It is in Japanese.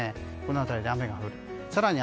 この辺りで雨が降る。